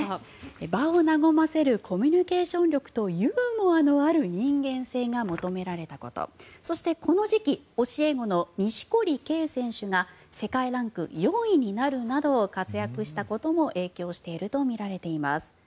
場を和ませるコミュニケーション力とユーモアのある人間性が求められたことそして、この時期教え子の錦織圭選手が世界ランク４位になるなど活躍したことも影響しているとみられています。